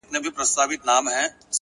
هوښیار انسان له تجربې خزانه جوړوي’